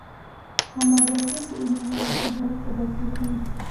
عامه ګټې د اوږدمهاله ثبات سبب ګرځي.